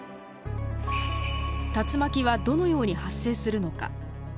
竜巻はどのように発生するのか？